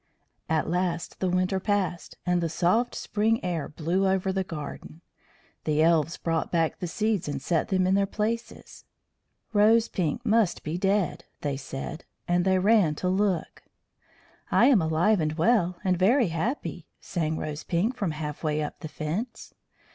At last the winter passed, and the soft spring air blew over the garden. The elves brought back the seeds and set them in their places. "Rose Pink must be dead," they said, and they ran to look. "I am alive and well, and very happy," sang Rose Pink from half way up the fence.